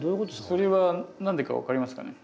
それは何でか分かりますかね？